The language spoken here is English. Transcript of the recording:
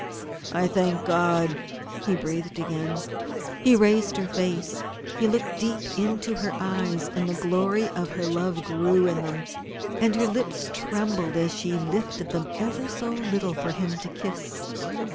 "I thank God," he breathed again. He raised her face. He looked deep into her eyes, and the glory of her love grew in them, and her lips trembled as she lifted them ever so little for him to kiss.